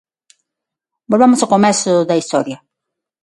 Volvamos ao comezo da historia.